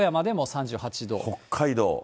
北海道。